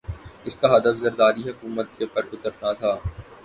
اس کا ہدف زرداری حکومت کے پر کترنا تھا۔